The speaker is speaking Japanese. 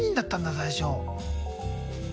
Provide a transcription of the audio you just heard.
最初。